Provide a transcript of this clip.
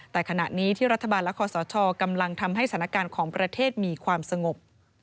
แต่ขณะนี้ที่รัฐบาลและคอสชกำลังทำให้สถานการณ์ของประเทศมีความสงบ